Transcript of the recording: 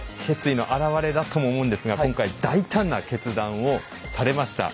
決意の表れだとも思うんですが今回大胆な決断をされました。